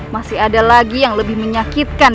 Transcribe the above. masih ada lagi yang lebih menyakitkan